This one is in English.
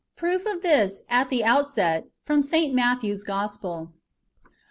Proof of this, at the outset, from St. Mattheio's GospeL 1.